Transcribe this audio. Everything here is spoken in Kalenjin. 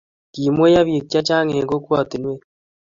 Kimweiyo bik che Chang eng kokwatinwek